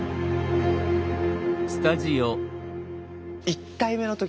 １体目の時